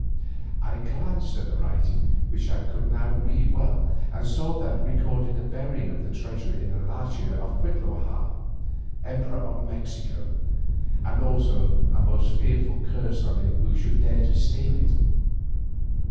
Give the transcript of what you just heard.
I glanced at the writing, which I could now read well, and saw that it recorded the burying of the treasure in the first year of Cuitlahua, Emperor of Mexico, and also a most fearful curse on him who should dare to steal it.